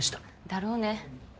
だろうね。